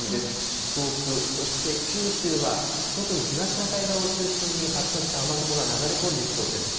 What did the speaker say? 四国、そして九州は、特に東シナ海側を中心に、発達した雨雲が流れ込んできそうです。